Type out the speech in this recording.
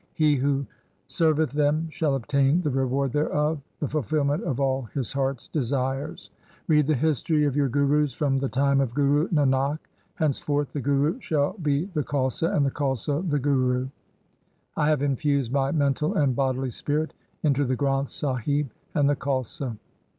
He who serveth them shall obtain the reward thereof — the fulfilment of all his heart's desires. Read the history of your Gurus from the time of Guru Nanak. Hence forth the Guru shall be the Khalsa and the Khalsa the Guru. I have infused my mental and bodily spirit into the Granth Sahib and the Khalsa.'